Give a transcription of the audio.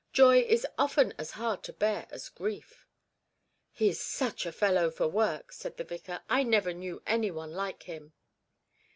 'Joy is often as hard to bear as grief.' 'He is such a fellow for work,' said the vicar, 'I never knew any one like him.'